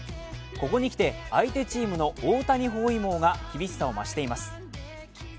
ここにきて相手チームの大谷包囲網が厳しさを増しています。